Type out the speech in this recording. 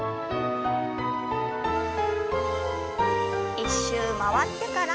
１周回ってから。